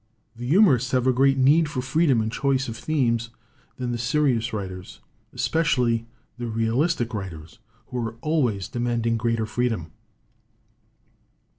The humorists have a greater need for freedom in choice of themes than the serious writers, es pecially the realistic writers, who are always de manding greater freedom."